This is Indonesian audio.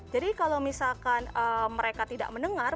jadi kalau misalkan mereka tidak mendengar